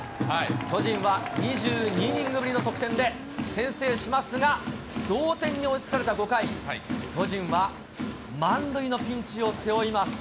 巨人は２２イニングぶりの得点で先制しますが、同点に追いつかれた５回、巨人は満塁のピンチを背負います。